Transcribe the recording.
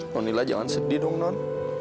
nonila jangan sedih dong non